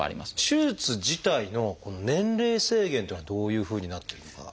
手術自体の年齢制限っていうのはどういうふうになってるのか。